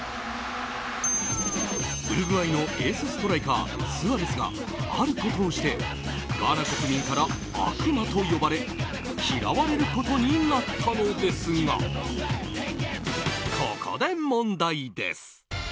ウルグアイのエースストライカースアレスが、あることをしてガーナ国民から悪魔と呼ばれ嫌われることになったのですがここで問題です。